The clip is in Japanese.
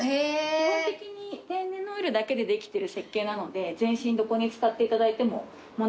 基本的に天然のオイルだけでできてるせっけんなので全身どこに使っていただいても問題なく。